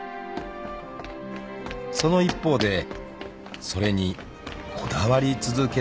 ［その一方でそれにこだわり続ける男もいる］